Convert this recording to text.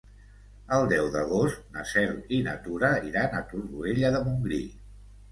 El deu d'agost na Cel i na Tura iran a Torroella de Montgrí.